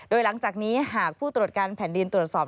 โดยหลังจากนี้หากผู้ตรวจการแผ่นดินตรวจสอบ